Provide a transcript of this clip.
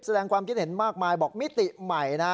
แสดงความคิดเห็นมากมายบอกมิติใหม่นะ